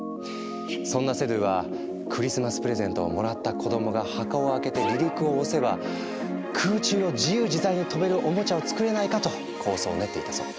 そんなセドゥは「クリスマスプレゼントをもらった子供が箱を開けて離陸を押せば空中を自由自在に飛べるおもちゃを作れないか」と構想を練っていたそう。